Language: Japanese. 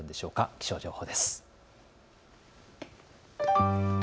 気象情報です。